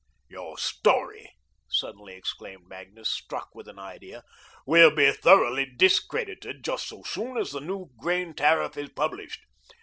"Your story," suddenly exclaimed Magnus, struck with an idea, "will be thoroughly discredited just so soon as the new grain tariff is published.